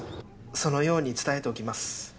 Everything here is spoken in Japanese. そのように伝えておきます。